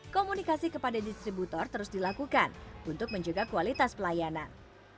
komunikasi kepada distributor terus dilakukan untuk menjaga kualitas pelayanan